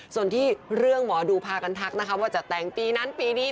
ส่วนที่เรื่องหมอดูพากันทักนะคะว่าจะแต่งปีนั้นปีนี้